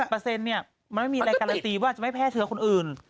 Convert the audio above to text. จะติด๕๑๐มันไม่มีอะไรการณ์ตีว่าจะไม่แพ้เถอะคนอื่น